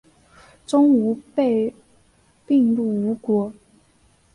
钟吾被并入吴国。